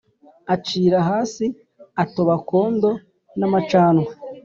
acira hasi atoba akondo n amacandwe